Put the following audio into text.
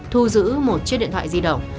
thu giữ một chiếc điện thoại di động